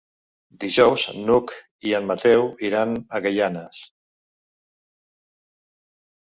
Dijous n'Hug i en Mateu iran a Gaianes.